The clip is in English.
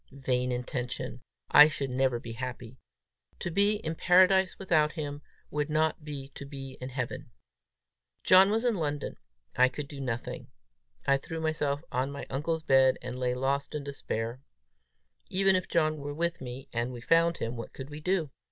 Vain intention! I should never be happy! To be in Paradise without him, would not be to be in Heaven! John was in London; I could do nothing! I threw myself on my uncle's bed, and lay lost in despair! Even if John were with me, and we found him, what could we do?